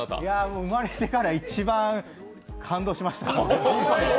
生まれてから一番感動しました。